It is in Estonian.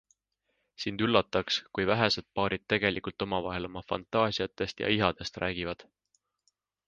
Sind üllataks, kui vähesed paarid tegelikult omavahel oma fantaasiatest ja ihadest räägivad.